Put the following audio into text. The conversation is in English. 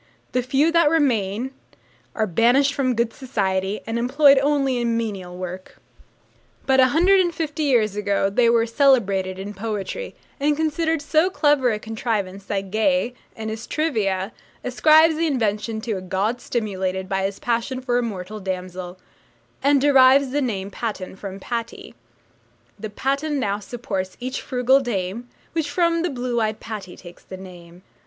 The few that remain are banished from good society, and employed only in menial work; but a hundred and fifty years ago they were celebrated in poetry, and considered so clever a contrivance that Gay, in his 'Trivia,' ascribes the invention to a god stimulated by his passion for a mortal damsel, and derives the name 'Patten' from 'Patty.' The patten now supports each frugal dame, Which from the blue eyed Patty takes the name.